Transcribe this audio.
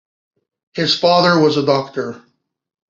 His father was a doctor.